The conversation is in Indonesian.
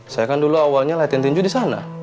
saya kan dulu awalnya latihan tinju di sana